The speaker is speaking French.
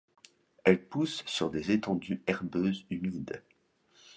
Elle pousse sur des étendues herbeuses humides.